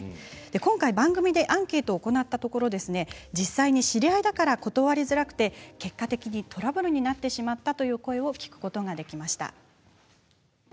番組でアンケートを行ったところ実際に知り合いだから断りづらくて結果的にトラブルになってしまったという声を聞くことができました。